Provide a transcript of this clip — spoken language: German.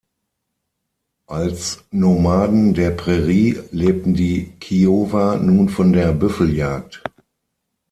Als Nomaden der Prärie lebten die Kiowa nun von der Büffeljagd.